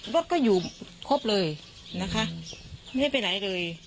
ว่าก็อยู่ครบเลยนะคะไม่ได้ไปไหนเลย